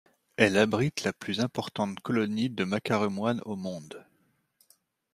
Elles abritent la plus importante colonie de Macareux moines au monde.